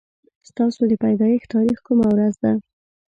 ستاسو د پيدايښت تاريخ کومه ورځ ده